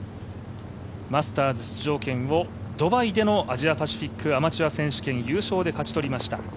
マスターズ出場権をドバイでのアジアパシフィックアマチュア選手権優勝で優勝で勝ち取りました。